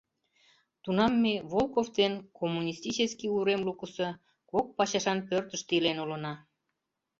Тунам ме Волков ден Коммунистический урем лукысо кок пачашан пӧртыштӧ илен улына.